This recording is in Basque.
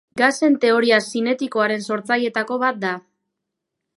Gasen teoria zinetikoaren sortzaileetako bat da.